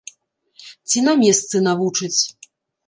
Ці на месцы навучаць.